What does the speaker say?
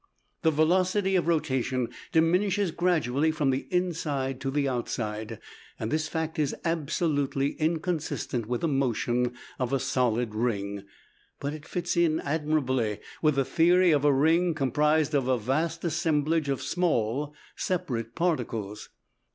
The velocity of rotation diminishes gradually from the inside to the outside. This fact is absolutely inconsistent with the motion of a solid ring; but it fits in admirably with the theory of a ring comprised of a vast assemblage of small separate particles.